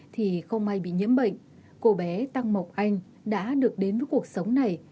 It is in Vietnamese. thay bị nhiễm bệnh cô bé tăng mộc anh đã được đến với cuộc sống này